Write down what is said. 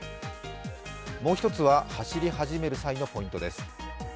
もう１つは走り始める際のポイントです。